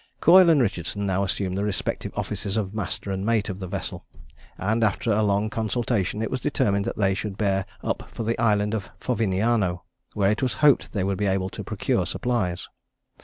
Coyle and Richardson now assumed the respective offices of master and mate of the vessel; and, after a long consultation, it was determined that they should bear up for the island of Foviniano, where it was hoped they would be able to procure supplies.